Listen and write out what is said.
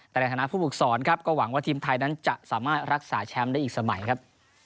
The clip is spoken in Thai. แต่ในฐานะผู้ฝึกสอนครับก็หวังว่าทีมไทยนั้นจะสามารถรักษาแชมป์ได้อีกสมัยครับ